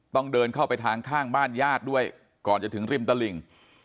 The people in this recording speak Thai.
ต้องเดินเข้าไปทางข้างบ้านญาติด้วยก่อนจะถึงริมตลิ่ง